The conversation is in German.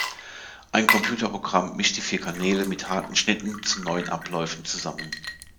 Ein Computerprogramm mischt die vier Kanäle mit harten Schnitten zu neuen Abläufen zusammen.